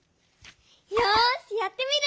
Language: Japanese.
よしやってみる！